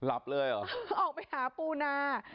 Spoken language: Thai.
ออกไปหาปูนา